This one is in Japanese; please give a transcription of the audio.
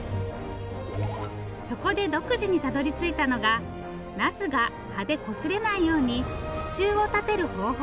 そこで独自にたどりついたのがなすが葉でこすれないように支柱を立てる方法。